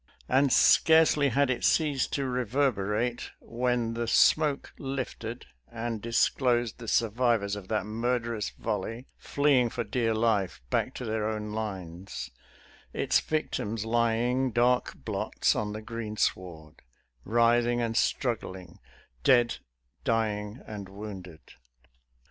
And scarcely had it ceased to reverberate, when the smoke lifted and disclosed the survivors of that murderous volley fleeing for dear life back to their own lines, its victims lying, dark blots on the greensward, writhing and struggling, dead, dying and wounded.